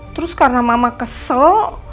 terus karena mama kesel